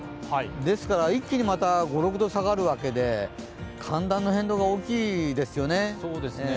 ですから一気にまた５６度下がるわけで寒暖の変動が大きいですね。